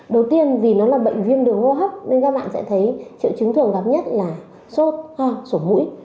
đầu tiên vì nó là bệnh viêm đường hô hấp nên các bạn sẽ thấy triệu chứng thường gặp nhất là sốt ho sổ mũi